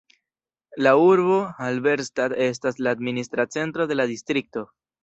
La urbo Halberstadt estas la administra centro de la distrikto.